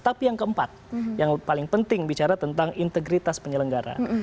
tapi yang keempat yang paling penting bicara tentang integritas penyelenggara